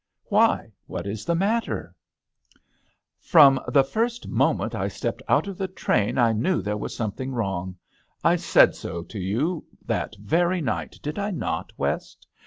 " Why, what is the matter ?" "From the first moment I stepped out of the train I knew there was something wrong. I said so to you that very night, did I not, West